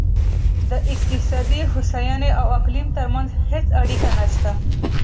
د اقتصادي هوساینې او اقلیم ترمنځ هېڅ اړیکه نشته.